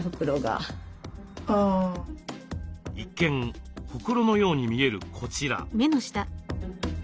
一見ほくろのように見えるこちら。